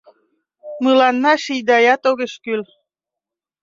Мыланна шийдаят огеш кӱл